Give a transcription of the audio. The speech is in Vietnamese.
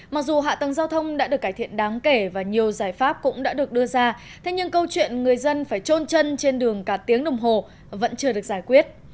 mặc dù hạ tầng giao thông đã được cải thiện đáng kể và nhiều giải pháp cũng đã được đưa ra thế nhưng câu chuyện người dân phải trôn chân trên đường cả tiếng đồng hồ vẫn chưa được giải quyết